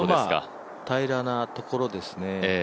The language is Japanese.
ちょうど平らなところですね。